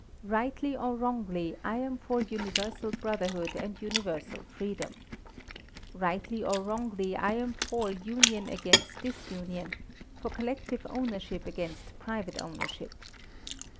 Rightly or wrongly, I am for universal brotherhood and universal freedom. Rightly or wrongly, I am for union against disunion, for collective ownership against private ownership.